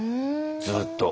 ずっと。